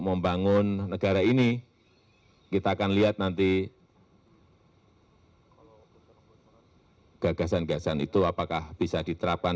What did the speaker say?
membangun negara ini kita akan lihat nanti gagasan gagasan itu apakah bisa diterapkan